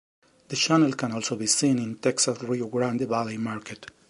The channel can also be seen in Texas' Rio Grande Valley market.